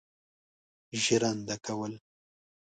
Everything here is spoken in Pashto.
ژرنده کول.